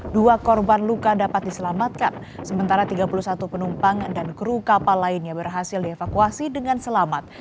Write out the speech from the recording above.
dua korban luka dapat diselamatkan sementara tiga puluh satu penumpang dan kru kapal lainnya berhasil dievakuasi dengan selamat